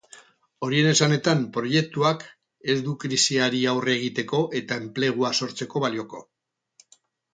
Horien esanetan, proiektuak ez du krisiari aurre egiteko eta enplegua sortzeko balioko.